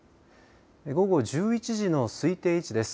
午後１１時の推定位置です。